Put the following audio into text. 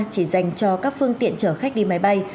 chỉ dành cho các phương tiện chở khách đi máy bay